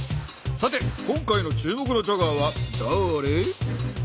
さて今回の注目のチャガーはだれ？